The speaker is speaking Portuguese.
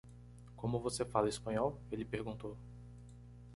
"Como você fala espanhol?", ele perguntou.